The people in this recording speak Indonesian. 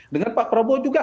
dengan pak prabowo juga